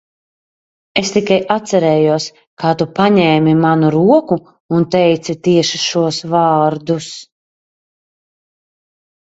Es tikai atcerējos, kā tu paņēmi manu roku un teici tieši šos vārdus.